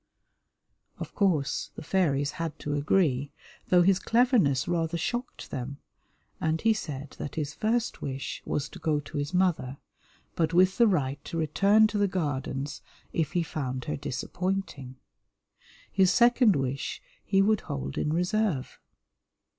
Of course, the fairies had to agree, though his cleverness rather shocked them, and he said that his first wish was to go to his mother, but with the right to return to the Gardens if he found her disappointing. His second wish he would hold in reserve.